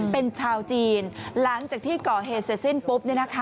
เป็นชาวจีนหลังจากที่ก่อเหตุเสร็จสิ้นปุ๊บ